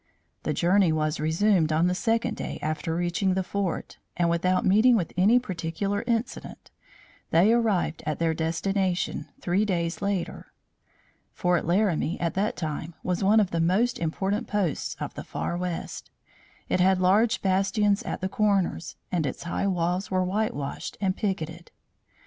The journey was resumed on the second day after reaching the fort, and without meeting with any particular incident they arrived at their destination, three days later. Fort Laramie, at that time, was one of the most important posts of the far west. It had large bastions at the corners, and its high walls were whitewashed and picketed.